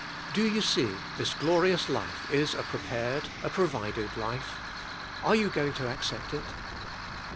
Do you see, this glorious life is a prepared, a provided life? Are you going to accept it?